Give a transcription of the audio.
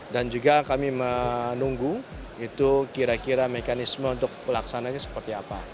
dan juga kami menunggu itu kira kira mekanisme untuk pelaksananya seperti apa